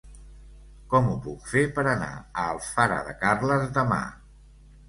Com ho puc fer per anar a Alfara de Carles demà?